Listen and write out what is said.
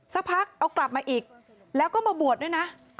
สักพักเอากลับมาอีกแล้วก็มาบวชด้วยนะ